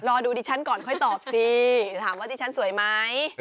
รอดูดิฉันก่อนค่อยตอบสิถามว่าดิฉันสวยไหม